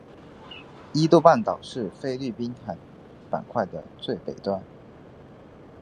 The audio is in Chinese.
伊豆半岛是菲律宾海板块的最北端。